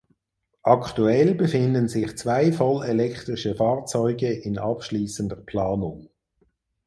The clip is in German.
Aktuell befinden sich zwei voll elektrische Fahrzeuge in abschließender Planung.